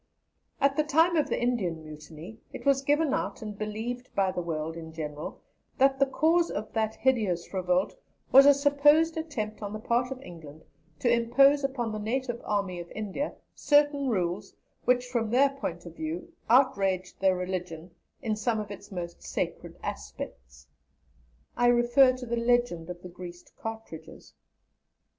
At the time of the Indian Mutiny, it was given out and believed by the world in general that the cause of that hideous revolt was a supposed attempt on the part of England to impose upon the native army of India certain rules which, from their point of view, outraged their religion in some of its most sacred aspects; (I refer to the legend of the greased cartridges).